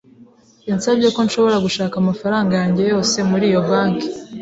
yansabye ko nshobora gushaka amafaranga yanjye yose muri iyo banki.